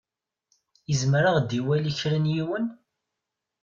Izmer ad ɣ-d-iwali kra n yiwen.